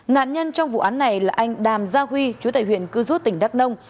nạn nhân trong vụ án này là anh đàm gia huy chú tại huyện cư rút tỉnh đắk nông